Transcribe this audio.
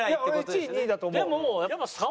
俺１位２位だと思う。